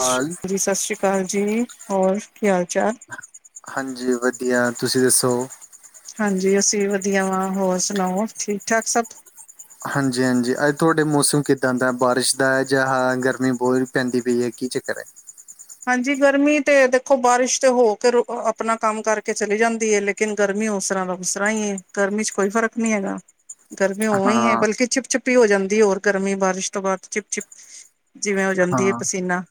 ਹਾਲ ਜੀ ਸਸ ਸ਼੍ਰੀ ਕਾਲ ਜੀ ਹੋਰ ਕੀ ਹਾਲ-ਚਾਲ? ਹਾਂਜੀ ਵਧੀਆ, ਤੁਸੀਂ ਦੱਸੋ? ਹਾਂਜੀ ਅਸੀਂ ਵੀ ਵਧੀਆ ਵਾਂ, ਹੋਰ ਸੁਣਾਓ ਠੀਕ- ਠਾਕ ਸਭ? ਹਾਂਜੀ ਹਾਂਜੀ ਅੱਜ ਤੁਹਾਡੇ ਮੌਸਮ ਕਿੱਦਾਂ ਦਾ ਬਾਰਿਸ਼ ਦਾ ਜਾਂ ਅਹ ਗਰਮੀ ਬੋਤ ਪੈਂਦੀ ਪਈ ਏ ਕੀ ਚੱਕਰ ਐ? ਹਾਂਜੀ ਗਰਮੀ ਤੇ ਦੇਖੋ ਬਾਰਿਸ਼ ਤੇ ਹੋ ਕੇ ਆਪਣਾ ਕੰਮ ਕਰਕੇ ਚਲੀ ਜਾਂਦੀ ਐ ਲੇ ਲੇਕਿਨ ਗਰਮੀ ਉਸ ਤਰ੍ਹਾਂ ਦਾ ਉਸ ਤਰ੍ਹਾਂ ਈ ਏ ਗਰਮੀ ਚ ਕੋਈ ਫ਼ਰਕ ਨੀ ਹੈਗਾ। ਗਰਮੀ ਉਵੇਂ ਈ ਏ ਹਾਂ-ਹਾਂ ਬਲਕਿ ਚਿਪ - ਚਿਪੀ ਹੋ ਜਾਂਦੀ ਏ ਹੋਰ ਗਰਮੀ ਬਾਰਿਸ਼ ਤੋਂ ਬਾਅਦ, ਚਿਪ - ਚਿਪ ਜਿਵੇਂ ਹੋ ਜਾਂਦੀ ਏ ਪਸੀਨਾ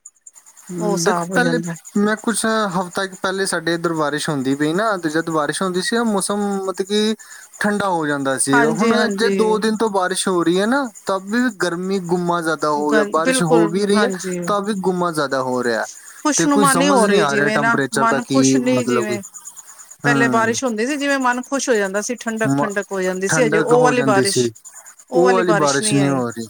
ਉਹ ਦੇਖੋ ਹਿਸਾਬ ਹੋ ਪੈਲੇ ਜਾਂਦਾ। ਮੈਂ ਕੁਛ ਹਫ਼ਤਾ ਪਹਿਲੇ ਸਾਡੇ ਇੱਧਰ ਬਾਰਿਸ਼ ਹੁੰਦੀ ਪਈ ਨਾ ਤੇ ਜਦ ਬਾਰਿਸ਼ ਹੁੰਦੀ ਸੀ ਓਹ ਮੌਸਮ ਮਤਲਬ ਕੀ ਠੰਡਾ ਹੋ ਜਾਂਦਾ ਸੀ ਹਾਂਜੀ ਹੁਣ ਅੱਜ ਹਾਂਜੀ ਦੋ ਦਿਨ ਤੋ ਬਾਰਿਸ਼ ਹੋ ਰਹੀ ਐ ਨਾ ਤਬੀ ਵੀ ਗਰਮੀ ਗੁੰਮਾ ਜਾਦਾ ਹੋ ਗ ਗਿਆ ਬਾਰਿਸ਼ ਹੋ ਹੋ ਵੀ ਬਿਲਕੁਲ ਰਈ ਏ ਹਾਂਜੀ। ਤਾਂਵੀ ਗੁੰਮਾ ਜਾ ਦਾ ਹੋ ਰਿਹਾ ਤੇ ਕੋਈ ਖੁਸ਼ਨੁਮਾ ਸਮਝ ਹੋ ਨੀ ਰਹੀ ਆ ਰਿਹਾ ਜਿਵੇਂ ਨਾ ਟੈਂਪਰੇਚਰ ਦਾ ਮਨ ਕੀ ਖੁਸ਼ ਨੀ ਮਤਲਬ ਕੋਈ ਜਿਵੇਂ ਪਹਿਲੇ ਬਾਰਿਸ਼ ਹੁੰਦੀ ਸੀ ਜਿਵੇਂ ਮਨ ਖੁਸ਼ ਹੋ ਜਾਂਦਾ ਸੀ ਠੰਡਕ ਮ -ਠੰਡਕ ਹੋ ਜਾਂਦੀ ਸੀ ਹਜੇ ਠੰਡਕ ਉਹ ਹੋ ਵਾਲੀ ਜਾਂਦੀ ਬਾਰਿਸ਼ ਸੀ ਉਹ ਵਾਲੀ ਬਾਰਿਸ਼ ਨੀ ਹੋ ਰਹੀ,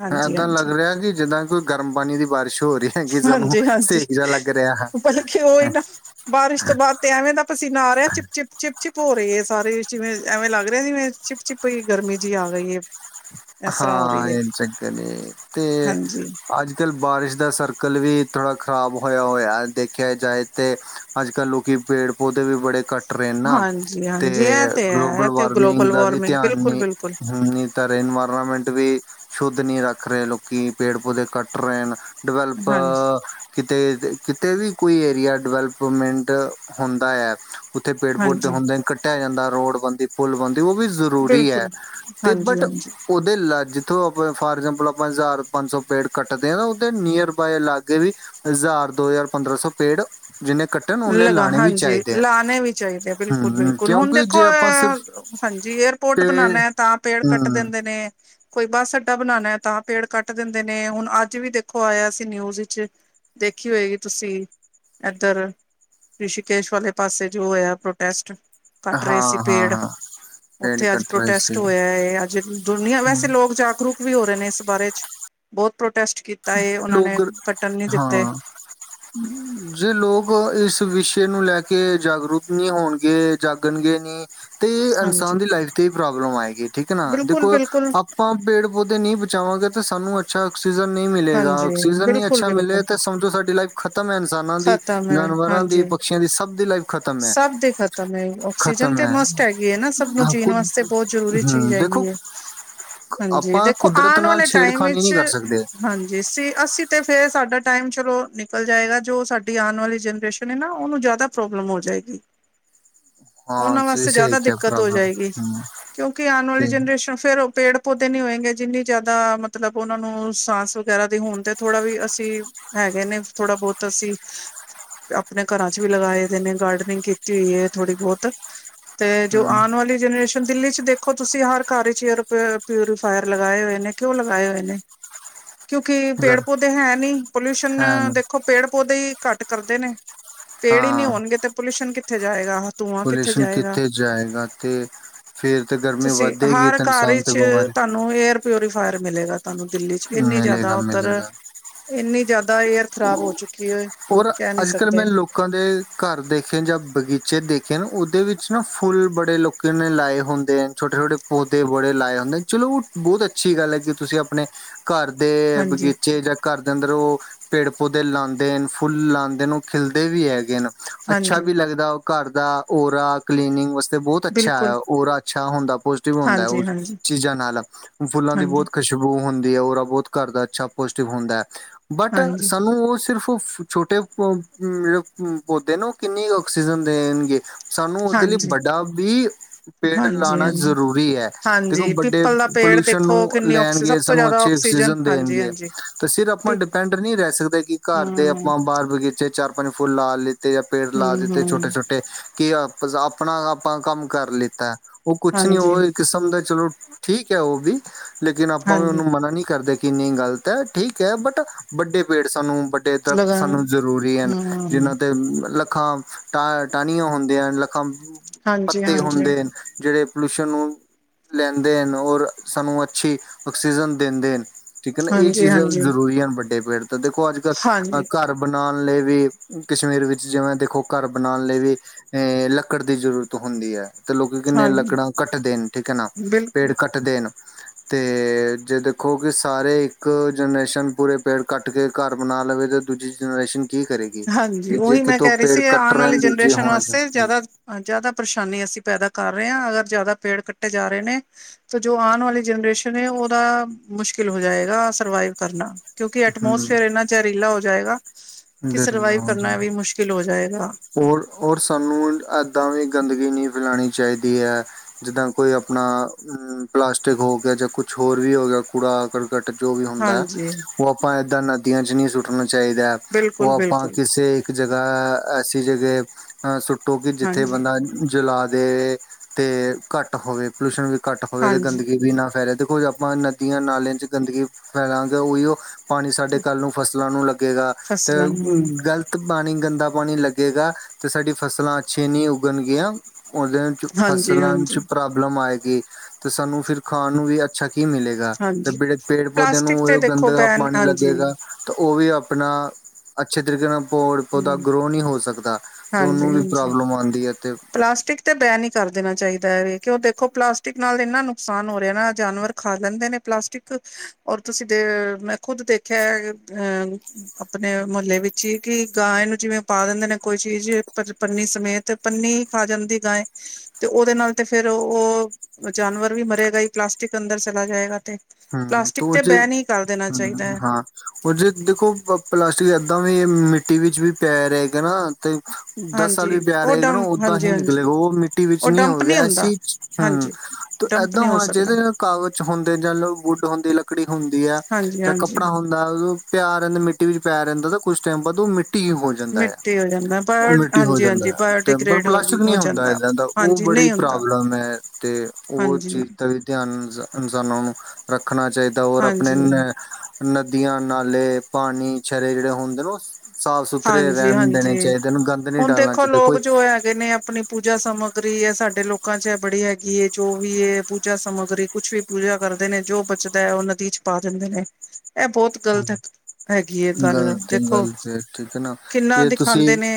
ਹਾਂਜੀ ਏਦਾਂ ਲੱਗ ਹਾਂਜੀ ਰਿਹਾ ਕੇ ਜਿੱਦਾਂ ਕੋਈ ਗਰਮ ਪਾਣੀ ਦੀ ਬਾਰਿਸ਼ ਹੋ ਰੀ ਹਾਂਜੀ -ਹਾਂਜੀ, ਹੈ। ਬਲਕਿ ਉਹ ਈ ਨਾ ਬਾਰਿਸ਼ ਤੋਂ ਬਾਅਦ ਤੇ ਐਵੇਂ ਦਾ ਪਸੀਂਨਾ ਆ ਰਹਿਆ ਚਿਪ- ਚਿਪ -ਚਿਪ ਚਿਪ ਹੋ ਰਹੀ ਹੈ ਸਾਰੇ ਜਿਵੇਂ ਐਵੇਂ ਲੱਗ ਰਿਹਾ ਜਿਵੇਂ, ਚਿਪ- ਚਿਪੀ ਗਰਮੀ ਜੀ ਆ ਗਈ ਏ। ਹਾਂ ਇਹ ਚੰਗਾ ਨਈ, ਤੇ ਹਾਂਜੀ ਅੱਜ- ਕੱਲ੍ਹ ਬਾਰਿਸ਼ ਦਾ ਸਰਕਲ ਵੀ ਥੋੜ੍ਹਾ ਖ਼ਰਾਬ ਹੋਇਆ- ਹੋਇਆ ਦੇਖਿਆ ਜਾਏ। ਤੇ ਅੱਜ -ਕੱਲ ਲੋਕੀ ਪੇੜ- ਪੌਦੇੇ ਵੀ ਬੜੇ ਕੱਟ ਰੇ ਨਾ ਹਾਂਜੀ ਤੇ ਹਾਂਜੀ ਇਹ ਤੇ ਹੈ ਗਲੋਬਲ ਇਹ ਤੇ -ਵਾਰਮਿੰਗ ਗਲੋਬਲ ਦਾ ਵੀ ਵਾਰਮਿੰਗ ਧਿਆਨ ਬਿਲਕੁਲ ਨੀ, ਬਿਲਕੁਲ ਹੂੰ ਮੀ ਤ ਰੇਨ ਇਨਵਾਇਰਮੈਂਟ ਵੀ ਸ਼ੁੱਧ ਨੀ ਰੱਖ ਰਹੇ ਲੋਕੀ ਪੇੜ- ਪੌਦੇ ਕੱਟ ਰਹੇ ਨ ਡਵੈਲਪ ਹਾਂਜੀ ਕਿਤੇ -ਕਿਤੇ ਵੀ ਕੋਈ ਏਰੀਆ ਡਿਵੈਲਪਮੈਂਟ ਹੁੰਦਾ ਐ। ਉੱਥੇ ਪੇੜ- ਪੌਦੇ ਹਾਂਜੀ ਹੁੰਦੇ ਨੇ ਕੱਟਿਆ ਜਾਂਦਾ ਰੋਡ ਬਣਦੀ, ਪੁੱਲ ਬਣਦੀ, ਉਹ ਵੀ ਜ਼ ਜ਼ਰੂਰੀ ਐ, ਬਿਲਕੁਲ ਤੇ ਹਾਂਜੀ ਬਟ ਹਾਂਜੀ ਓਦੇ ਲੱਜ ਤੋਂ ਆਪਾਂ ਫਾਰ ਐਗਜਾਮਪਲ ਆਪਾਂ ਹਜ਼ਾਰ- ਪੰਜ ਸੌ ਪੇੜ ਕੱਟਦੇ ਆ ਓਦੇ ਨੀਅਰ ਬਾਏ ਲਾਗੇ ਵੀ ਹਜ਼ਾਰ-ਦੋ ਹਜ਼ਾਰ- ਪੰਦਰਾਂ ਸੌ ਪੇੜ ਜਿਹਨੇ ਕੱਟੇ ਲਗਾ ਹਾਂਜੀ, ਲਾਣੇ ਵੀ ਚਾਹੀਦੇ ਆ ਬਿਲਕੁਲ ਹਮ -ਬਿਲਕੁਲ ਹੁਣ ਕਿਉਂਕਿ ਦੇਖੋ ਜੇ ਆਪਾਂ ਸਿਰਫ ਹਾਂਜੀ, ਏਅਰ ਤੇ ਪੋਟ ਬਣਾਨਾ ਐ ਤਾਂ ਪੇੜ ਕੱਟ ਹਮ ਦਿੰਦੇ ਨੇ ਕੋਈ ਬਸ ਅੱਡਾ ਬਣਾਨਾ ਐ ਤਾਂ ਪੇੜ ਕੱਟ ਦਿੰਦੇ ਨੇ ਹੁਣ ਅੱਜ ਵੀ ਦੇਖੋ ਆਇਆ ਸੀ ਨਿਊਜ਼ ਚ ਦੇਖੀ ਹੋਏਗੀ ਤੁਸੀਂ ਐਦਰ? ਰਿਸ਼ੀਕੇਸ਼ ਵਾਲੇ ਪਾਸੇ ਜੋ ਹੋਇਆ ਪ੍ਰੋਟੈਸਟ, ਕੱਟ ਰਹੇ ਸੀ ਹਾਂ ਹਾਂ ਪੇੜ ਹਾਂ ਪੇੜ ਉੱਥੇ ਅੱਜ ਕੱਟ ਰਹੇ ਪ੍ਰੋਟੈਸਟ ਸੀ ਹੋਇਆ ਹੈ ਅੱਜ ਦੁਨੀਆਂ, ਹਮ ਵੈਸੇ ਲੋਕ ਜਾਗਰੂਕ ਵੀ ਹੋ ਰਹੇ ਨੇ ਇਸ ਬਾਰੇ ਚ ਬਹੁਤ ਪ੍ਰੋਟੈਸਟ ਕੀਤਾ ਏ ਓਨਾ ਨੇ ਲੋਕ ਕੱਟਣ ਨੀ ਦਿੱਤੇ। ਹਾਂ ਜੇ ਲੋਕ ਇਸ ਵਿਸ਼ੇ ਨੂੰ ਲੈ ਕੇ ਜਾਗਰੂਕ ਨੀ ਹੋਣਗੇ ਜਾਗਣਗੇ ਨੀ ਤੇ ਇਹ ਇਨਸਾਨ ਹਾਂਜੀ ਦੀ ਲਾਈਫ ਤੇ ਈ ਪ੍ਰੋਬਲਮ ਆਏਗੀ ਠੀਕ ਆ ਨਾ ਦੇਖੋ ਅਪ ਬਿਲਕੁਲ-ਬਿਲਕੁਲ ਆਪਾਂ ਪੇੜ-ਪੌਦੇ ਨਈ ਬਚਾਵਾਂਗੇ ਤੇ ਸਾਨੂੰ ਅੱਛਾ ਆਕਸੀਜਨ ਨੀ ਮਿਲੇਗਾ ਹਾਂਜੀ ਆਕਸੀਜਨ ਨੀ ਅੱਛਾ ਮਿਲੇ ਬਿਲਕੁਲ-ਬਿਲਕੁਲ ਤੇ ਸਮਝੋ ਸਾਡੀ ਲਾਈਫ ਖ਼ਤਮ ਐ ਇਨਸਾਨਾਂ ਦੀ ਖ਼ਤਮ ਹੈ ਜਾਨਵਰਾਂ ਦੀ ਹਾਂਜੀ। ਪਸ਼ੀਆਂ ਦੀ ਸਭ ਦੀ ਲਾਈਫ ਖ਼ਤਮ ਮੈ ਸਭ ਦੇ ਖ਼ਤਮ ਹੈ ਆਕਸੀਜਨ ਖਤਮ ਤੇ ਐ, ਮਸਟ ਹੈਗੀ ਹੈ ਨਾ ਸਭ ਨੂੰ ਹਮ ਜੀਣ ਖੁਦ ਵਾਸਤੇ ਬਹੁਤ ਜ਼ਰੂਰੀ ਚੀਜ਼ ਦੇਖੋ ਹੈਗੀ [inaudible] ਹੈ। [inaudible] ਹਾਂਜੀ, ਆਪਾਂ ਦੇਖੋ ਕੁਦਰਤ ਆਣ ਨਾਲ ਵਾਲੇ ਟਾਈਮ ਛੇੜਖਾਨੀ ਵਿੱਚ, ਨਹੀਂ ਕਰ ਸਕਦੇ ਹਾਂਜੀ ਸੀ ਅਸੀਂ ਤੇ ਫੇਰ ਸਾਡਾ ਟਾਈਮ, ਚਲੋ ਨਿਕਲ ਜਾਏਗਾ, ਜੋ ਸਾਡੀ ਆਣ ਵਾਲੀ ਜਨਰੇਸ਼ਨ ਹੈ ਨਾ, ਉਹਨੂੰ ਜ਼ਿਆਦਾ ਪ੍ਰੋਬਲਮ ਹੋ ਜਾਏ ਗੀ ਹਾਂ ਉਨਾਂ ਤੁਸੀਂ ਵਾਸਤੇ, ਸਹੀ ਜ਼ਿਆਦਾ ਕਿਹਾ ਦਿੱਕਤ ਹੋ ਭਰਾਵਾ ਜਾਏਗੀ। ਹਮ ਕਿਉਂਕਿ, ਆਣ ਤੇ ਵਾਲੀ ਜਨਰੇਸ਼ਨ ਫੇਰ ਉਹ ਪੇੜ ਪੌਦੇ ਨੀ ਹੋਏਂਗੇ, ਜਿੰਨੀ ਜ਼ਿਆਦਾ ਮਤਲਬ ਉਹਨਾਂ ਨੂੰ ਸਾਸ ਵਗੈਰਾ ਹੋਣ ਦੇ, ਥੋੜਾ ਵੀ ਅਸੀਂ ਹੈਗੇ ਨੇ, ਥੋੜਾ- ਬਹੁਤ ਅਸੀਂ ਆਪਣੇ ਘਰਾਂ ਚ ਵੀ ਲਗਾਏ ਦੇ ਨੇ ਗਾਰਡਨਿੰਗ ਕੀਤੀ ਹੋਈ ਏ, ਥੋੜੀ ਬਹੁਤ ਤੇ ਜੋ ਹਮ ਆਉਣ ਵਾਲੀ ਜਨਰੇਸ਼ਨ ਦਿੱਲੀ ਚ ਦੇਖੋ, ਤੁਸੀਂ ਹਰ ਘਰ ਚ ਏਅਰ ਪਰ ਰ ਪਿਊਰੀਫਾਇਰ ਲਗਾਏ ਹੋਏ ਨੇ, ਕਿਉਂ ਲਗਾਏ ਹੋਏ ਨੇ? [inaudible] [unintelligible] ਕਿਉਂਕਿ, ਅਗਰ ਪੇੜ ਪੌਦੇ ਹੈ ਨਈ, ਪੋਲਿਊਸ਼ਨ, ਹੈ ਦੇਖੋ ਪੇੜ- ਪੌਦੇ ਈ ਘੱਟ ਕਰਦੇ ਨੇ ਪੇੜ ਈ ਨਈ ਹਾਂ ਹੋਣਗੇ ਤੇ, ਪੋਲਿਊਸ਼ਨ ਕਿੱਥੇ ਜਾਏਗਾ, ਧੂੰਆ ਕਿੱਥੇ ਪੋਲਿਊਸ਼ਨ ਜਾਏਗਾ ਜਾਏਗਾ ਤੇ ਫੇਰ ਤੇ ਗਰਮੀ ਤੁਸੀਂ ਵੱਧੇਗੀ ਹਰ ਤੇ ਘਰ ਇਨਸਾਨ ਤੇ 'ਚ ਬਿਮਾਰੀ ਤੁਹਾਨੂੰ ਏਅਰ ਪਿਉਰੀਫਾਇਰ, ਮਿਲੇਗਾ। ਤੁਹਾਨੂੰ ਦਿੱਲੀ ਚ, ਇੰਨੀ ਜ਼ਿਆਦਾ ਮਿਲੇਗਾ ਉੱਧਰ ਮਿਲੇਗਾ ਇੰਨੀ ਜ਼ਿਆਦਾ, ਏਅਰ ਖ਼ਰਾਬ ਹੋ ਚੁੱਕੀ ਏ, ਔਰ ਕਹਿ ਨੀ ਅੱਜ ਸਕੇ ਦ ਮੈਂ ਲੋਕਾਂ ਦੇ ਘਰ, ਦੇਖੇ ਜਾਂ ਬਗੀਚੇ ਦੇਖੇ, ਉਹਦੇ ਵਿੱਚ ਨਾ ਫੁੱਲ ਬੜੇ ਲੋਕਾ ਨੇ, ਲਾਏ ਹੁੰਦੇ ਨੇ ਛੋਟੇ -ਛੋਟੇ ਪੌਦੇ ਬੜੇ ਲਾਏ ਹੁੰਦੇ ਨੇ, ਚਲੋ ਬਹੁਤ ਅੱਛੀ ਗੱਲ ਏ, ਕਿ ਤੁਸੀਂ ਆਪਣੇ ਘਰ ਦੇ ਹਾਂਜੀ ਬਗੀਚੇ, ਜਾਂ ਘਰ ਦੇ ਅੰਦਰ, ਉਹ ਪੇੜ -ਪੌਦੇ ਲਾਂਦੇ ਨੇ ਫੁੱਲ ਲਾਂਦੇ ਨੇ, ਉਹ ਖਿਲਦੇ ਵੀ ਹੈਗੇ ਨੇ ਅੱਛਾ ਹਾਂਜੀ ਵੀ ਲੱਗਦਾ, ਉਹ ਘਰ ਦਾ ਓਰਾ ਕਲੀਨਿੰਗ ਤੇ ਬਹੁਤ ਅੱਛਾ, ਬਿਲਕੁਲ ਓਰਾ ਅੱਛਾ ਹੁੰਦਾ, ਪੋਜਟਿਵ ਹੁੰਦਾ ਓ ਹਾਂਜੀ ਹਾਂਜੀ ਚੀਜ਼ਾਂ ਨਾਲ, ਫੁੱਲਾਂ ਦੀ ਹਾਂਜੀ, ਬਹੁਤ ਖੁਸ਼ਬ ਉਹ ਹੁੰਦੀ ਆ, ਓਰਾ ਬਹੁਤ ਘਰ ਦਾ ਅੱਛਾ ਪੋਜ਼ਟਿਵ ਹੁੰਦਾ ਆ, ਬੱਟ ਹਾਂਜੀ, ਸਾਨੂੰ ਉਹ ਸਿਰਫ ਛੋਟੇ ਪ ਮਤਲਬ ਪੌਦੇ ਨੇ, ਉਹ ਕਿੰਨੀ ਆਕਸੀਜਨ ਦੇਣਗੇ ਸਾਨੂੰ ਉਹਦੇ ਲਈ, ਹਾਂਜੀ, ਵੱਡਾ ਵੀ ਪੇੜ ਹਾਂਜੀ, ਲਾਣਾ ਹਾਂਜੀ। ਜ਼ਰੂਰ ਐ ਦੇਖੋ ਹਾਂਜੀ, ਵੱਡੇ ਪਿੱਪਲ ਦਾ ਪੇੜ ਪੋਲਿਊਸ਼ਨ ਦੇਖੋ ਨੂੰ ਕਿੰਨੀ ਆਕਸੀ ਲੈਣਗੇ, ਸਭ ਤੋਂ ਸਾਨੂੰ ਜ਼ਿਆਦਾ ਅੱਛੇ ਆਕਸੀਜਨ ਆਸੀਜਨ ਹਾਂਜੀ, ਦੇਣਗੇ ਹਾਂਜੀ। ਤਾਂ ਫਿਰ ਆਪਾਂ ਡਿਪੈਂਡ ਨੀ ਰਹਿ ਸਕਦੇ ਕਿ, ਘਰ ਦੇ ਹੂੰ, ਆਪਾਂ ਬਾਹਰ ਬਗੀਚੇ 'ਚ ਚਾਰ -ਪੰਜ ਫੁਲ ਲਾ ਦਿਤੇ ਜਾਂ ਪੇੜ ਹੂੰ, ਲਾ ਦਿੱਤੇ ਛੋਟੇ- ਹੂੰ ਛੋਟੇ ਕਿ ਆਪ ਆਪਣਾ ਆਪਾਂ ਕੰਮ ਕਰ ਲੀਤਾ। ਉਹ ਕੁਛ ਨੀ ਹਾਂਜੀ, ਉਹ ਕਿਸਮ ਦਾ ਚਲੋ, ਠੀਕ ਏ ਉਹ ਵੀ ਲੇਕਿਨ, ਆਪਾਂ ਹਾਂਜੀ ਉਹਨੂੰ ਮਨਾ ਨਈ ਕਰਦੇ ਕਿੰਨੀ ਗ਼ਲਤ ਏ ਠੀਕ ਏ, ਬਟ ਵੱਡੇ ਪੇੜ ਸਾਨੂੰ ਵੱਡੇ ਇਹ ਤਾ ਲਗਾਨ ਸਾਨੂੰ ਜ਼ਰੂਰੀ ਹਨ, ਹੂੰ, ਜਿਹਨਾਂ ਤੇ ਲੱਖਾਂ ਟਾਹ ਟਾਹਣੀਆਂ ਹੁੰਦੀਆਂ ਨਾ, ਲੱਖਾਂ ਹਾਂਜੀ, ਪੱਤੇ ਹਾਂਜੀ, ਹੁੰਦੇ ਜਿਹੜੇ ਪੋਲੂਸ਼ਸ਼ਨ ਨੂੰ ਲੈਂਦੇ ਹਨ, ਔਰ ਸਾਨੂੰ ਅੱਛੀ ਆਕਸੀਜਨ ਦਿੰਦੇ ਨੇ ਠੀਕ ਏ ਨਾ, ਇਹ ਹਾਂਜੀ, ਚੀਜ਼ਾਂ ਹਾਂਜੀ, ਜ਼ਰੂਰੀ ਹਨ ਵੱਡੇ ਪੇੜ ਤੋਂ, ਦੇਖੋ ਅੱਜ -ਕੱਲ ਹਾਂਜੀ, ਘਰ ਬਣਾਣ ਲਈ ਵੀ, ਕਸ਼ਮੀਰ ਵਿੱਚ ਜਿਵੇਂ ਦੇਖੋ, ਘਰ ਬਣਾਣ ਲਈ ਐ ਲੱਕੜ ਦੀ ਜ਼ਰੂਰਤ ਹੁੰਦੀ ਆ, ਤੇ ਲੋਕੀ ਕਿੰਨ੍ਹੇ ਹਾਂਜੀ ਲੱਕੜਾਂ ਕੱਟਦੇ ਨੇ ਠੀਕ ਹੈ, ਨਾ ਬਿਲਕੁਲ। ਪੇੜ ਕੱਟ ਕੱਟ ਦੇਣ ਤੇ ਜਦ ਦੇਖੋ ਕਿ ਸਾਰੇ ਇੱਕ ਜਨਰੇਸ਼ਨ ਪੂਰੇ ਪੇੜ ਕੱਟ ਕੇ ਘਰ ਬਣਾ ਲਵੇ, ਅਤੇ ਦੂਜੀ ਜਨਰੇਸ਼ਨ ਕੀ ਕਰੇਗੀ ਹਾਂਜੀ, ਤੇ ਜੇ ਉਹੀ ਮੈਂ ਕਿਤੋਂ ਕਹਿ ਰਹੀ ਪੇੜ ਸੀ। ਕੱਟ ਆਉਣ ਰਹੇ ਵਾਲੀ ਦੂਜੇ ਜਨਰੇਸ਼ਨ ਹੋਣਾ ਵਾਸਤੇ ਚਾਹੀਦਾ ਜ਼ਿਆਦਾ ਹਾਂ ਜ਼ਿਆਦਾ ਪਰੇਸ਼ਾਨੀ, ਅਸੀਂ ਪੈਦਾ ਕਰ ਰਹੇ ਆ, ਅਗਰ ਜ਼ਿਆਦਾ ਪੇੜ ਕੱਟੇ ਜਾ ਰਹੇ ਨੇ ਤੇ ਜੋ ਆਉਣ ਵਾਲੀ ਜਨਰੇਸ਼ਨ ਏ, ਉਹਦਾ ਮੁਸ਼ਕਿਲ ਹੋ ਜਾਏਗਾ, ਸਰਵਾਈਵ ਕਰਨਾ ਕਿਉਂਕਿ, ਹਮ ਐਟਮੋਸਫੇਅਰ ਇੰਨਾ ਜ਼ਹਿਰੀਲਾ ਹੋ ਜਾਏਗਾ, ਕਿ ਸਰਵਾਈਵ ਕਰਨਾ ਵੀ, ਮੁਸ਼ਕਿਲ ਹੋ ਜਾਏਗਾ ਔਰ-ਔਰ ਸਾਨੂੰ ਇੱਦਾਂ ਵੀ ਗੰਦਗੀ ਨਈ ਫੈਲਾਣੀ ਚਾਹੀਦੀ ਐ ਜਿੱਦਾਂ ਕੋਈ ਅਪਣਾ ਪਲਾਸਟਿਕ ਹੋ ਗਿਆ ਜਾਂ ਕੁਛ ਹੋਰ ਵੀ ਹੋ ਗਿਆ ਕੂੜਾ ਕਰ ਟ ਜੋ ਵੀ ਹੁੰਦਾ ਐ, ਹਾਂਜੀ ਓ ਆਪਾਂ ਏਦਾਂ ਨਦੀਆਂ ਚ ਨਈ ਸੁੱਟਣਾ ਚਾਈਦਾ ਐ। ਬਿਲ ਓ ਆਪਾਂ ਕਿਸੇ ਏਕ ਜਗਾ ਐਸੀ ਜਗੇ, ਸੁੱਟੋ ਕਿ ਜਿੱਥੇ ਹਾਂਜੀ ਬੰਦਾ ਜਲਾ ਦੇ, ਤੇ ਘੱਟ ਹੋਵੇ ਪੋਲਿਊਸ਼ਨ ਵੀ ਕੱਟ ਹੋਵੇ ਤੇ ਹਾਂਜੀ ਗੰਦਗੀ ਵੀ ਨਾ ਫੈਲੇ ਦੇਖੋ ਆਪਾਂ ਨਦੀਆਂ ਨਾਲਿਆਂ ਚ ਗੰਦਗੀ ਫੈਲਾਂਗੇ ਓਈ ਓ ਪਾਨੀ ਸਾਡੇ ਕੱਲ ਨੂੰ ਫ਼ਸਲਾਂ ਨੂੰ ਲੱਗੇਗਾ। ਆ ਫਸਲਾਂ ਨੂੰ ਓ ਗਲਤ ਪਾਨੀ ਗੰਦਾ ਪਾਨੀ ਲੱਗੇਗਾ ਤੇ ਸਾਡੀ ਫਸਲਾਂ ਅੱਛੀਆਂ ਨੀ ਉੱਗਣਗੀਆਂ। ਓਦਨ ਚ ਹਾਂਜੀ ਫਸਲਾਂ ਚ ਹਾਂਜੀ ਪ੍ਰੋਬਲਮ ਆਏਗੀ। ਤੇ ਸਾਨੂੰ ਫਿਰ ਖਾਣ ਨੂੰ ਵੀ ਅੱਛਾ ਕੀ ਮਿਲੇ ਗਾ, ਤੇ ਹਾਂਜੀ ਬਿੜੇ ਪੇੜ-ਪੌਦੇ ਨੂੰ ਪਲਾਸਟਿਕ ਓਹੀ ਤੇ ਓ ਗੰਦ ਦੇਖੋ ਬੈਨ ਪਾਨੀ ਹਾਂਜੀ ਲੱਗੇਗਾ। ਤਾਂ ਤਵੀ ਆਪਣਾ ਅੱਛੇ ਤਰੀਕੇ ਨਾਲ ਪੌੜ-ਪੌਦਾ ਹਮ ਗਰੋ ਨੀ ਹੋ ਸਕਦਾ ਤੇ ਓਨੂੰ ਹਾਂਜੀ ਵੀ ਹਾਂਜੀ ਪ੍ਰੋਬਲਮ ਆਉਂਦੀ ਐ ਤੇ ਪਲਾਸਟਿਕ ਤੇ ਬੈਨ ਈ ਕਰ ਦੇਣਾ ਚਾਈਦਾ ਐ ਵੇ ਕਿ ਓ ਦੇਖੋ ਪਲਾਸਟਿਕ ਨਾਲ ਏਨਾ ਨੁਕਸਾਨ ਹੋ ਰੈੲ ਨਾ ਜਾਨਵਰ ਖਾ ਲੈਂਦੇ ਨੇ ਪਲਾਸਟਿਕ ਔਰ ਤੁਸੀਂ ਦੇ ਮੈਂ ਖੁਦ ਦੇਖਿਆ ਅਹ ਆਪਣੇ ਮੁਹੱਲੇ ਵਿੱਚ ਈ ਕਿ ਗਾਂਏ ਨੂੰ ਜਿਵੇਂ ਪਾ ਦਿੰਦੇ ਕੋਈ ਚੀਜ਼ ਪੰਨੀ ਸਮੇਤ ਪੰਨੀ ਖਾਂ ਜਾਦੀ ਗਾਏਂ। ਤੇ ਓਦੇ ਨਾਲ ਤੇ ਫੇਰ ਓ ਜਾਨਵਰ ਵੀ ਮਰੇਗਾ ਈ ਪਲਾਸਟਿਕ ਅੰਦਰ ਚਲਾ ਜਾਏਗਾ। ਤੇ, ਹਮ ਪਲਾਸਟਿਕ ਤੇ ਬੇਨ ਈ ਕਰ ਦੇਣਾ ਚਾਈਦਾ ਐ। ਉਝ ਦੇਖੋ, ਪਲਾਸਟਿਕ ਏਦਾਂ ਵੀ ਮਿੱਟੀ ਵਿੱਚ ਵੀ ਪੈ ਰਹੇਗਾ ਨਾ ਤੇ ਦਸ ਸਾਲ ਵੀ ਹਾਂਜੀ ਪਿਆ ਉਹ ਰਹੇਗਾ ਨਾ ਡੰਪ ਓਦਾਂ ਹਾਂਜੀ ਹੀ ਹਾਂਜੀ ਨਿਕਲੇਗਾ ਓ ਮਿੱਟੀ ਵਿੱਚ ਉਹ ਨੀ ਡੰਪ ਹੋ ਨਹੀਂ ਹੁੰਦਾ ਐਸੀ ਚੀਜ਼ ਚ ਹਾਂ, ਹਾਂਜੀ ਤੇ ਡੰਪ ਏਦਾਂ ਨਹੀਂ ਹੋ ਹੋਣਾ ਸਕਦਾ ਚਾਈਦਾ ਜਿਵੇ ਕਾਗਜ਼ ਚ ਹੁੰਦੇ ਜਾਂ ਬੂ ਚ ਹੁੰਦੀ ਲੱਕੜੀ ਹੁੰਦੀ ਐ ਹਾਂਜੀ ਜਾਂ ਹਾਂਜੀ ਕੱਪੜਾ ਹੁੰ ਹੁੰਦਾ ਓ ਪਆ ਰੈਂਦਾ ਮਿੱਟੀ ਵਿੱਚ ਪਆ ਰੈਂਦਾ ਤਾਂ ਕੁਛ ਟੈਮ ਬਾਦ ਓ ਮਿੱਟੀ ਈ ਹੋ ਜਾਂਦਾ ਆ, ਮਿੱਟੀ ਹੋ ਜਾਂਦਾ ਓ ਬਾਇਓ ਮਿੱਟੀ ਹੋ ਹਾਂਜੀ ਜਾਂਦਾ ਹਾਂਜੀ ਐ ਪਰ ਬਾਇਓਡੀਗ੍ਰੇਡ ਹੋ ਪਲਾਸਟਿਕ ਨਈ ਹੋ ਹੁੰਦਾ ਜਾਂਦਾ ਏਦਾਂ ਦਾ ਓ ਹਾਂਜੀ ਬੜੀ ਨਹੀਂ ਹੁੰਦਾ ਪ੍ਰੋਬਲਮ ਐ ਤੇ ਓ ਹਾਂਜੀ ਚੀਜ਼ਾਂ ਦਾ ਵੀ ਧਿਆਨ ਇ ਇਨਸਾਨਾਂ ਨੂੰ ਰੱਖਣਾ ਚਾਈਦਾ ਔਰ ਆਪਣੇ ਨੇ ਹਾਂਜੀ ਨਦੀਆਂ ਨਾਲੇ ਪਾਨੀ ਛਰੇ ਜਿੜੇ ਹੁੰਦੇ ਨੇ ਓਸ ਸਾਫ਼ ਸੁਥਰੇ ਹਾਂਜੀ ਰੈਨ ਦੇਣੇ ਹਾਂਜੀ ਚਾਈਦੇ ਓਨੋ ਗੰਦ ਨੀ ਹੁਣ ਡਾਲਣਾ ਦੇਖੋ ਚਾਈਦਾ ਕੋਈ ਲੋਕ ਜੋ ਹੈਗੇ ਨੇ ਆਪਣੀ ਪੂਜਾ ਸਮੱਗਰੀ ਏ ਸਾਡੇ ਲੋਕਾਂ ਚ ਬੜੀ ਹੈਗੀ ਏ ਜੋ ਵੀ ਏ ਪੂਜਾ ਸਮੱਗਰੀ ਕੁਛ ਵੀ ਪੂਜਾ ਕਰਦੇ ਨੇ ਜੋ ਬਚਦਾ ਐ ਓ ਨਦੀ ਚ ਪਾ ਦਿੰਦੇ ਨੇ। ਐ ਬੋਤ ਗਲਤ, ਹੈਗੀ ਏ ਗੱਲ ਗਲਤ ਦੇਖੋ। ਗਲਤ ਠੀਕ ਐ ਨਾ ਕਿੰਨਾ ਦਿਖਾਦੇ ਨੇ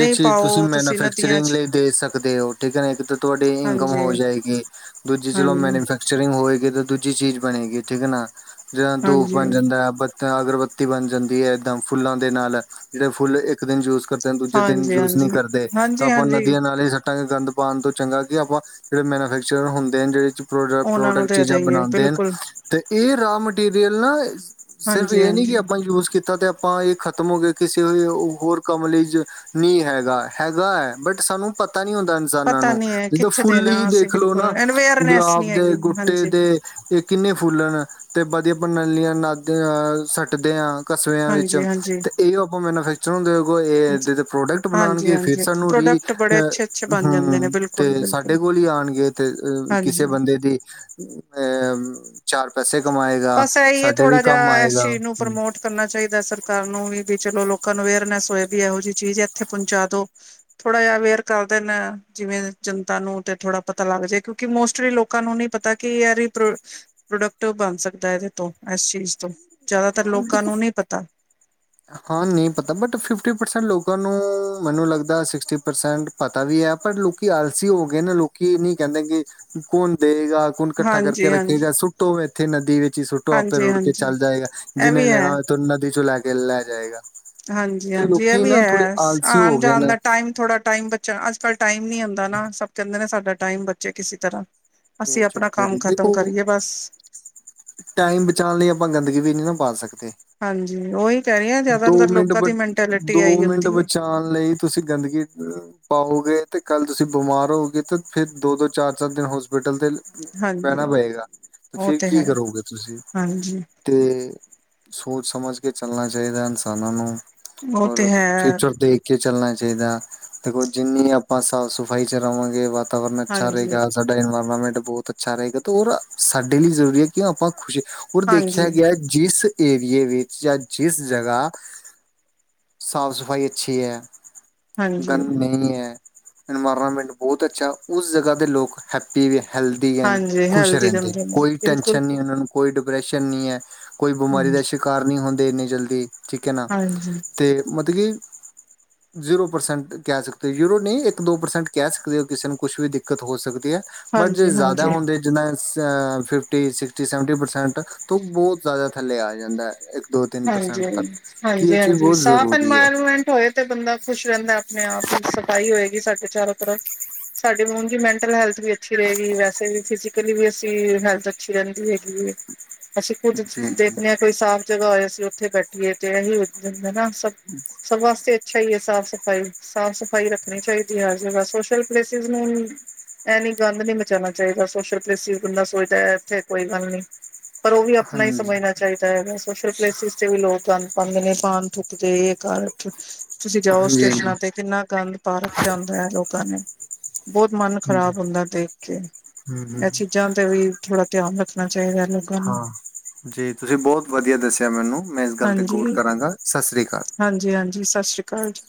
ਏ ਚੀਜ਼ ਤੁਸੀਂ ਪਾਓ ਨਦੀਆਂ ਮੈਨੂਫੈਕਚਰਿੰਗ ਚ ਲਈ ਦੇ ਸਕਦੇ ਓ ਠੀਕ ਏ ਨਾ ਏਕ ਤਾਂ ਤੁਆਡੀ ਇਨਕਮ ਹਾਂਜੀ ਹੋ ਜਾਏਗੀ। ਦੂਜੀ ਚਲੋ ਹਾਂਜੀ ਮੈਨੂਫੈਕਚਰਿੰਗ ਹੋਏਗੀ ਤਾਂ ਦੂਜੀ ਚੀਜ਼ ਬਣੇਗੀ ਠੀਕ ਏ ਨਾ ਜਾ ਦੋ ਹਾਂਜੀ [unintelligible] ਬਤ ਅਗਰਬੱਤੀ ਬਣ ਜਾਂਦੀ ਐ ਏਦਾਂ ਫੁੱਲਾਂ ਦੇ ਨਾਲ ਜਿੜੇ ਫੁੱਲ ਏਕ ਦਿਨ ਯੂਜ ਕਰਦੇ ਨੇ ਦੂਜੇ ਦਿਨ ਹਾਂਜੀ ਯੂਜ ਨੀ ਹਾਂਜੀ ਕਰਦੇ ਤਾਂ ਹਾਂਜੀ ਆਪਾਂ ਹਾਂਜੀ ਨਦੀਆਂ ਨਾਲੇ ਹਟਾ ਗਏ ਗੰਦ ਪਾਨ ਤੋਂ ਚੰਗਾ ਕਿ ਆਪਾਂ ਜਿੜੇ ਮੈਨੂਫੈਕਚਰ ਹੁੰਦੇ ਆ ਜਿਹੜੇ ਉਹਨਾਂ ਨੂੰ ਪ੍ਰੋਡਕਟ-ਪ੍ਰੋਡਕਟ ਦੇ ਚੀਜ਼ਾਂ ਦੇਈਏ ਬਣਾ ਦੇਣ ਬਿਲਕੁਲ ਤੇ ਏ ਰਆ ਮੈਟੀਰੀਅਲ ਨਾ ਸਿਰਫ ਹਾਂਜੀ ਇਹ ਨੀ ਕਿ ਹਾਂਜੀ ਆਪਾਂ ਯੂਜ ਕੀਤਾ ਤੇ ਆਪਾਂ ਏਹ ਖ਼ਤਮ ਹੋ ਗਏ ਕਿਸੇ ਹੋਰ ਕੰਮ ਲਈ ਜ ਨੀ ਹੈਗਾ, ਹੈਗਾ ਏ ਬਟ ਸਾਨੂੰ ਪਤਾ ਤਾ ਨਈ ਹੁੰਦਾ ਇਨਸਾਨਾਂ ਪਤਾ ਨੂੰ ਨੀ ਹੈ ਜਦੋਂ ਕਿੱਥੇ ਫੁੱਲ ਦੇਣਾ ਈ ਅਸੀਂ ਦੇਖਲੋ ਬਿਲਕੁਲ ਨਾ ਅਵੇਅਰਨੈਸ ਗੁਲਾਬ ਨਹੀਂ ਦੇ, ਹੈਗੀ ਗੁਟੇ ਹਾਂਜੀ ਦੇ ਏਹ ਕਿੰਨੇ ਫੁੱਲਨ ਤੇ ਵਧੀਆ ਪ੍ਰਣਾਲੀਆਂ ਨਾਗ ਅ ਸੱਟਦੇ ਆ। ਕਚਰਿਆਂ ਵਿੱਚ, ਹਾਂਜੀ ਹਾਂਜੀ ਤੇ ਏਓ ਆਪਾਂ ਨੂੰ ਮੈਨੂਫੈਕਚਰ ਹੁੰਦੇ ਏ ਪ੍ਰੋਡਕਟ ਹਾਂਜੀ ਬਣਾਣਗੇ ਫੇਰ ਹਾਂਜੀ ਸਾਨੂੰ ਰੀ ਪ੍ਰੋਡਕਟ ਬੜੇ ਅ ਅੱਛੇ ਅੱਛੇ ਬਣ ਜਾਂਦੇ ਨੇ ਹੂੂ ਬਿਲਕੁਲ ਤੇ ਸਾਡੇ ਬਿਲਕੁਲ ਕੋਲ ਈ ਆਣਗੇ ਤੇ ਅ ਕਿਸੇ ਹਾਂਜੀ ਬੰਦੇ ਦੀ ਅਮ ਚਾਰ ਪੈਸੇ ਕਮਾਏਗਾ। ਬਸ ਇਹੀ ਹੈ ਸਾਡੇ ਵੀ ਥੋੜਾ ਜਿਆ ਕੰਮ ਐਸ ਆਏਗਾ ਚੀਜ਼ ਨੂੰ ਹੂੰ। ਪ੍ਰਮੋਟ ਕਰਨਾ ਚਾਈਦਾ ਸਰਕਾਰ ਨੂੰ ਵੀ ਵੀ ਚਲੋ ਲੋਕਾਂ ਨੂੰ ਅਵੇਅਰਨੈਸ ਹੋਏ ਵੀ ਐਹੋ ਜੀ ਚੀਜ਼ ਏਥੇ ਪਹੁੰਚਾ ਦੋ। ਥੋੜਾ ਜਿਆ ਅਵੇਅਰ ਕਰ ਦੇਨ ਜਿਵੇਂ ਜਨਤਾ ਨੂੰ ਤੇ ਥੋੜਾ ਪਤਾ ਲੱਗ ਜੇ, ਕਿਉਂਕਿ ਮੋਸਟਲੀ ਲੋੋਕ ਲੋਕਾਂ ਨੂੰ ਨੀ ਪਤਾ ਕੀ ਐ ਰੀ ਪ੍ਰੋਡਕਟ ਬਣ ਸਕਦਾ। ਸਕਦਾ ਐਦੇ ਤੋਂ ਐਸ ਚੀਜ਼ ਤੋਂ, ਜ਼ਾਦਾਤਰ ਹਾਂ ਲੋਕਾਂ ਦੇਖੋ ਨੂੰ ਨੀ ਪਤਾ। ਹਾਂ ਨਈ ਪਤਾ ਬਟ ਫਿਫਟੀ ਪਰਸੈਂਟ ਲੋਕਾਂ ਨੂੰ ਮੈਨੂੰ ਲਗਦਾ ਸਿਕਸਟੀ ਪਰਸੈਂਟ ਪਤਾ ਵੀ ਐ, ਪਰ ਲੋਕੀ ਆਲਸੀ ਹੋ ਗਏ ਨੇ, ਲੋਕੀ ਏ ਨੀ ਕੈਂਦੇ ਕੀ ਕੌਣ ਦਏਗਾ। ਕੋਣ ਕੱਠਾ ਕਰਕੇ ਹਾਂਜੀ ਹਾਂਜੀ ਰੱਖੇਗਾ, ਸੁੱਟੋ ਐਥੇ ਨਦੀ ਵਿੱਚ ਈ ਸੁੱਟੋ, ਆਪੇ ਹਾਂਜੀ ਰੁੜ ਕੇ ਹਾਂਜੀ ਚੱਲ ਜਾਏਗਾ। ਇਹ ਜਿੰਨੇ ਵੀ ਲੈਣਾ ਹੈ ਤੋ ਨਦੀ 'ਚੋ ਲੈ ਕੇ ਲੈ ਜਾਏਗਾ। ਹਾਂਜੀ ਤੇ ਹਾਂਜੀ ਏ ਲੋਕੀ ਵੀ ਨਾ ਥੋੜੇ ਹੈ ਆਲਸੀ ਆਣ ਹੋ ਗਏ ਜਾਣ ਨੇ। ਦਾ ਟਾਈਮ ਥੋੜ੍ਹਾ ਟਾਈਮ ਬੱਚਾਣ, ਅੱਜ ਕੱਲ੍ਹ ਟਾਈਮ ਨੀ ਹੁੰਦਾ ਨਾ, ਸਭ ਕੈਂਦੇ ਨੇ ਸਾਡਾ ਟਾਈਮ ਬਚੇ ਕਿਸੀ ਤਰ੍ਹਾਂ। ਇਹ ਅਸੀਂ ਆਪਣਾ ਕੰਮ ਚੱਕਰ ਖਤਮ ਦੇਖੋ ਕਰੀਏ ਬਸ। ਟਾਈਮ ਬਚਾਣ ਲਈ ਆਪਾਂ ਗੰਦਗੀ ਵੀ ਨੀ ਨਾ ਪਾ ਸਕਦੇ। ਹਾਂਜੀ ਓਈ ਦੋ ਮਿੰਟ ਬ, ਦੋ ਇਹੀ ਮਿੰਟ ਹੁੰਦੀ ਹੈ ਬਚਾਣ ਲਈ ਤੁਸੀਂ ਗੰਦਗੀ ਪਾਓਗੇ ਤੇ ਕੱਲ ਤੁਸੀਂ ਬਿਮਾਰ ਹੋਗੇ ਤਾਂ, ਫੇਰ ਦੋ ਦੋ ਚਾਰ ਚਾਰ ਦਿਨ ਹੋਸ ਹੋਸਪਿਟਲ ਤੇ ਰੈਣਾ ਹਾਂਜੀ। ਪਏਗਾ ਤੇ ਉਹ ਫੇਰ ਕੀ ਹੈ ਕਰੋਗੇ ਤੁਸੀਂ? ਹਾਂਜੀ ਤੇ ਸੋਚ ਸਮਝ ਕੇ ਚੱਲਣਾ ਚਾਈਦਾ ਇਨਸਾਨਾਂ ਨੂੰ। ਉਹ ਤੇ ਔਰ ਹੈ ਫਿਊਚਰ ਦੀ ਕੇ ਚੱਲਣਾ ਚਾਈਦਾ, ਦੇਖੋ ਜਿੰਨੀ ਆਪਾਂ ਸਾਫ਼ ਸਫ਼ਾਈ 'ਚ ਰਵਾਂਗੇ, ਵਾਤਾਵਰਨ ਅੱਛਾ ਹਾਂਜੀ। ਰਏਗਾ। ਸਾਡਾ ਇਨਵਾਇਰਮੈਂਟ ਬਹੁਤ ਅੱਛਾ ਰਏਗਾ, ਤੇ ਔਰ ਸਾਡੇ ਲਈ ਜ਼ਰੂਰੀ ਏ ਕਿਉਂ ਆਪਾਂ ਖੁਸ਼ ਔਰ ਹਾਂਜੀ ਦੇਖਿਆ ਗਿਆ ਜਿਸ ਏਰੀਏ ਵਿੱਚ ਜਾਂ ਜਿਸ ਜਗ੍ਹਾ ਸਾਫ਼ ਸਫ਼ਾਈ ਅੱਛੀ ਐ ਹਾਂਜੀ ਗੰਦ ਨਈ ਐ, ਇਨਵਾਇਰਮੈਂਟ ਬੋਤ ਅੱਛਾ, ਉਸ ਜਗ੍ਹਾ ਦੇ ਲੋਕ ਹੈਕ ਪੀ ਹੈਲਦੀ ਐਨ ਹਾਂਜੀ ਖੁਸ਼ ਹੈਲਦੀ ਰੈਂਦੇ, ਰਹਿੰਦੇ ਨੇ ਕੋਈ ਬਿਲਕੁਲ ਟੈਂਸ਼ਨ ਨੀ ਓਨਾਂ ਨੂੰ, ਕੋਈ ਡਿਪ੍ਰੈਸ਼ਨ ਨੀ ਐ। ਕੋਈ ਬਿਮਾਰੀ ਹਮ। ਦਾ ਸ਼ਿਕਾਰ ਨੀ ਹੁੰਦੇ ਏਨੀ ਜਲਦੀ, ਠੀਕ ਏ ਨਾ ਹਾਂਜੀ ਤੇ ਮਤਬ ਕੀ [inaudible] ਜ਼ੀਰੋ ਪ੍ਰਸੈਂਟ ਕੈ ਸਕਦੇ, ਜ਼ੀਰੋ ਨਈ ਇੱਕ ਦੋ ਪ੍ਰਸੈਂਟ ਕੈ ਸਕਦੇ ਓ ਕਿਸੇ ਨੂੰ ਕੁਛ ਵੀ ਦਿੱਕਤ ਹੋ ਸਕਦੀ ਐ। ਬਟ ਜੇ ਹਾਂਜੀ ਜ਼ਾਦਾ ਹਾਂਜੀ। ਹੁੰਦੇ ਜਿੱਦਾਂ ਸੇਂ ਫਿਫਟੀ, ਸਿਕਟੀ, ਸੈਂਵਟੀ ਪਰਸੈਂਟ ਤੋ ਬੋਤ ਜ਼ਾਦਾ ਥੱਲੇ ਆ ਜਾਂਦਾ ਐ। ਇੱਕ, ਦੋ, ਤਿੰਨ ਹਾਂਜੀ ਪਰਸੈਂਟ ਹਾਂ ਤੱਕ ਕਿ ਇਹ ਹਾਂਜੀ ਚੀਜ਼ ਹਾਂਜੀ ਬਹੁਤ ਸਾਫ਼ ਜ਼ਰੂਰੀ ਹੈ ਇਨਵਾਇਰਮੈਂਟ ਹੋਏ ਤੇ ਬੰਦਾ ਖੁਸ਼ ਰੈਂਦਾ ਆਪਣੇ ਆਪ ਈ, ਸਫ਼ਾਈ ਹੋਏਗੀ ਸਾਡੇ ਚਾਰੋ ਤਰਫ। ਸਾਡੇ ਉਂਜ ਵੀ ਮੈਂਟਲ ਹੈਲਥ ਵੀ ਅੱਛੀ ਰਏਗੀ, ਵੈਸੇ ਵੀ ਫਿਜ਼ਕਲੀ ਵੀ ਅਸੀਂ ਹੈਲਥ ਅੱਛੀ ਰੈਂਦੀ ਹੈਗੀ ਏ। ਅਸੀਂ ਕੁੱਝ ਜੀ ਦੇਖਣੇ ਆਂ ਕੋਈ ਸਾਫ਼ ਜਗ੍ਹਾ ਹੋਏ। ਅਸੀਂ ਓਥੇ ਬੈਠੀਏ ਤੇ ਐਹੀ ਉਗ ਜਾਦਾ ਨਾ, ਸਭ ਵਾਸਤੇ ਅੱਛਾ ਈ ਏ ਸਾਫ਼ ਸਫ਼ਾਈ। ਸਾਫ਼ ਸਫ਼ਾਈ ਰੱਖਣੀ ਚਾਈਦੀ ਹਰ ਜਗ੍ਹਾ, ਸੋਸ਼ਲ ਪਲੇਸਿਸ ਨੂੰ ਐਨੀ ਗੰਧ ਨੀ ਮਚਾਣਾ ਚਾਈਦਾ ਸੋਸ਼ਲ ਪਲੈਸਿਸ, ਬੰਦਾ ਸੋਚਦਾ ਏਥੇ ਕੋਈ ਗੱਲ ਨੀ। ਪਰ ਓ ਵੀ ਆਪਣਾ ਈ ਹਾਂਜੀ, ਸਮਝਣਾ ਹੈਗਾ, ਸੋਸ਼ਲ ਪਲੇਸ ਸਿਸ ਤੇ ਵੀ ਲੋਕ ਗੰਦ ਪਾਂਦੇ ਨੇ, ਪਾਨ ਥੁੱਕਦੇ, ਏ ਕਰ ਤੁਸੀਂ ਜਾਓ ਹਾਂਜੀ-ਹਾਂਜੀ, ਸਟੇਸ਼ਨਾਂ ਤੇ ਕਿੰਨਾ ਗੰਦ ਪਾ ਰੱਖਿਆ ਹੁੰਦਾ ਐ ਲੋਕਾਂ ਨੇ, ਬੋਤ ਮਨ ਹਾਂਜੀ, ਖ਼ਰਾਬ ਹੁੰਦਾ ਦੇਖ ਕੇ, ਹੂੰ-ਹੂੰ, ਐ ਚੀਜ਼ਾਂ ਤੇ ਵੀ ਥੋੜਾ ਧਿਆਨ ਰੱਖਣਾ ਚਾਈਦਾ ਐਨਾ ਨੂੰ। ਹਾਂ ਜੀ ਤੁਸੀਂ ਬੋਤ ਵਧੀਆ ਦੱਸਿਆ ਮੈਨੂੰ, ਮੈਂ ਇਸ ਗੱਲ ਤੇ ਗੌਰ ਕਰਾਂਗਾ ਸਾਸਰੀ ਕਾਲ। ਜੀ ਹਾਂਜੀ ਸਸ ਸ਼੍ਰੀ ਕਾਲ ਜੀ।